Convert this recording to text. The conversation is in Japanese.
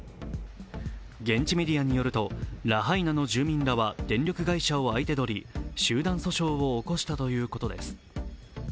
現地メディアによるとラハイナの住民らは電力会社を相手取り集団訴訟を起こしたということです。